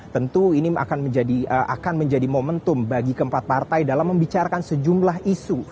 tentu ini akan menjadi momentum bagi keempat partai dalam membicarakan sejumlah isu